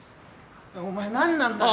お前何なんだよ！